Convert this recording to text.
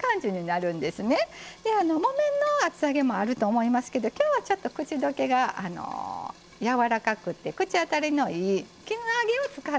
木綿の厚揚げもあると思いますけど今日はちょっと口どけがやわらかくて口当たりのいい絹揚げを使ってます。